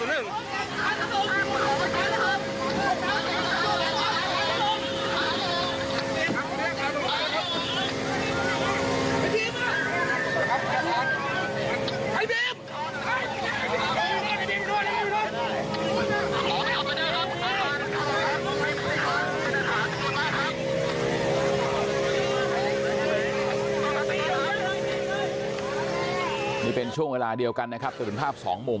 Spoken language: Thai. นี่เป็นช่วงเวลาเดียวกันนะครับจะเป็นภาพสองมุม